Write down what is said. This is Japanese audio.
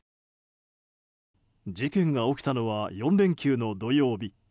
事件が起きたのは４連休の土曜日。